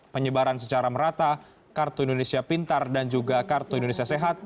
penyebaran secara merata kartu indonesia pintar dan juga kartu indonesia sehat